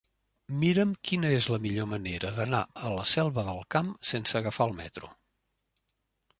Mira'm quina és la millor manera d'anar a la Selva del Camp sense agafar el metro.